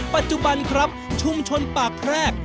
ปัจจุบันครับชุมชนปากแพรก